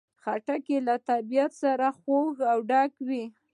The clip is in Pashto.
خټکی له طبیعي خوږو ډک وي.